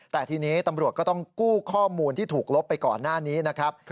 แต่ทีนี้ตำรวจก็ต้องกู้ข้อมูลที่ถูกลบไปก่อนหน้านี้นะครับ